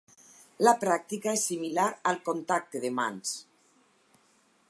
La pràctica és similar al contacte de mans.